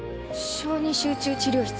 「小児集中治療室？」